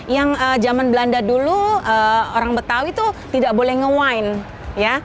yang zaman belanda dulu orang betawi itu tidak boleh nge wind ya